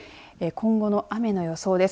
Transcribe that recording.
今後の雨の予想です。